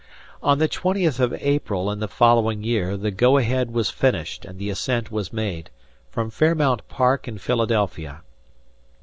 On the twentieth of April in the following year the "Go Ahead" was finished and the ascent was made, from Fairmount Park in Philadelphia.